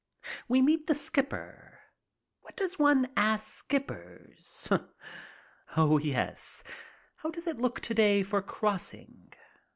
We meet the skipper. What does one ask skippers? Oh yes, how does it look to day for crossing?